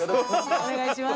お願いします。